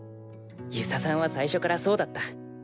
遊佐さんは最初からそうだった。